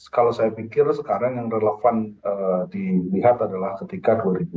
kalau saya pikir sekarang yang relevan dilihat adalah ketika dua ribu dua puluh